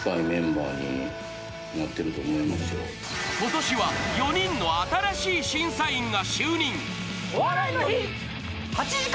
今年は４人の新しい審査員が就任。